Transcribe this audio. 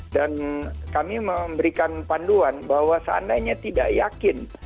dan kami memberikan panduan bahwa seandainya tidak yakin